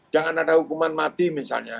jangan ada hukuman mati misalnya